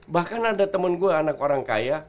bahkan ada temen gue anak orang kaya